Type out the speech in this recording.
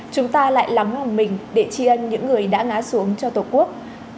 chúng ta lại lắng ngòng mình để tri ân những người đã ngá xuống cho tổ quốc